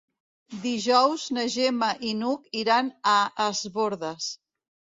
Dijous na Gemma i n'Hug iran a Es Bòrdes.